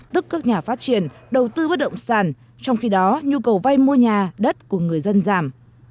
tức các nhà phát triển đầu tư bất động sản trong khi đó nhu cầu vay mua nhà đất của người dân giảm